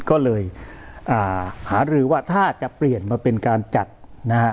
ก็เลยอ่าหารือว่าถ้าจะเปลี่ยนมาเป็นการจัดนะฮะ